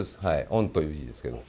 御という字ですけど。